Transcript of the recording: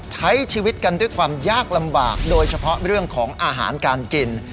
ใช้ชีวิตกันด้วยความยากลำบากโดยเฉพาะเรื่องของอาหารการกิน